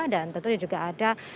dan tentunya juga ada